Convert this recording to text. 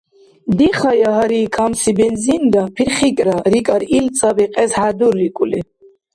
— Дихая гьари, камси бензинра пирхикӀра, — рикӀар ил цӀабикьес хӀядуррикӀули.